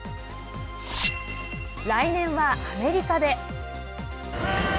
来年はアメリカで。